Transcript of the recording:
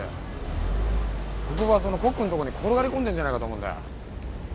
国府はそのコックんとこに転がり込んでんじゃないかと思うんだよ。